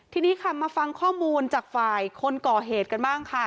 ทีนี้ค่ะมาฟังข้อมูลจากฝ่ายคนก่อเหตุกันบ้างค่ะ